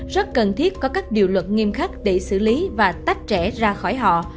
rất cần thiết có các điều luật nghiêm khắc để xử lý và tách trẻ ra khỏi họ